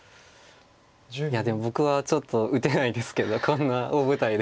いやでも僕はちょっと打てないですけどこんな大舞台で。